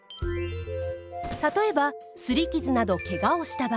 例えば擦り傷などけがをした場合。